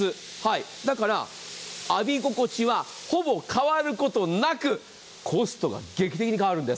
だから、浴び心地はほぼ変わることなくコストが劇的に変わるんです。